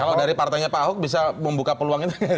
kalau dari partainya pak ahok bisa membuka peluang itu